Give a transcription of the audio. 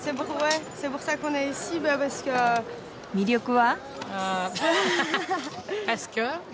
魅力は？